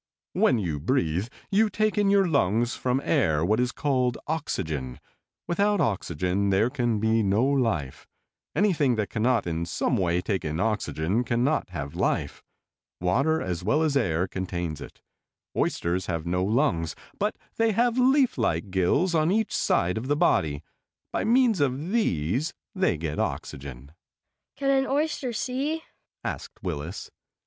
"When you breathe, you take in your lungs from air what is called oxygen. Without oxygen there can be no life. Anything that can not in some way take in oxygen can not have life. Water as well as air contains it. Oysters have no lungs, but they have leaf like gills on each side of the body. By means of these they get oxygen." "Can an oyster see?" asked Willis.